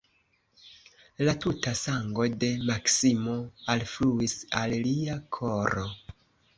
La tuta sango de Maksimo alfluis al lia koro.